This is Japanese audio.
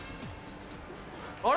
あれ？